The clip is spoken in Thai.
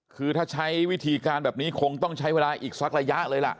คือถ้าใช้วิธีการแบบนี้คงต้องใช้เวลาอีกสักระยะเลยล่ะ